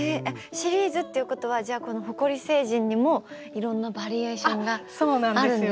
シリーズっていうことはじゃあこの埃星人にもいろんなバリエーションがあるんですか？